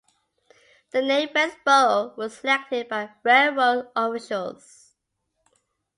The name Westboro was selected by railroad officials.